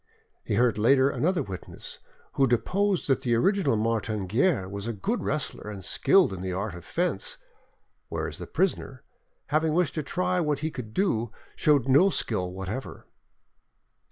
He heard later another witness who deposed that the original Martin Guerre was a good wrestler and skilled in the art of fence, whereas the prisoner, having wished to try what he could do, showed no skill whatever.